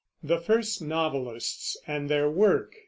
THE FIRST NOVELISTS AND THEIR WORK.